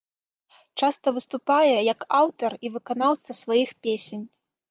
Часта выступае як аўтар і выканаўца сваіх песень.